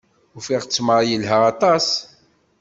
Ufiɣ ttmeṛ yelha aṭas.